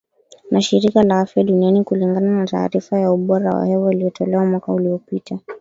na shirika la afya duniani kulingana na taarifa ya ubora wa hewa iliyotolewa mwaka uliopita